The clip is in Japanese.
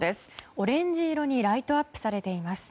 オレンジ色にライトアップされています。